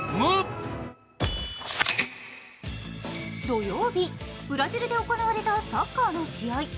土曜日ブラジルで行われたサッカーの試合。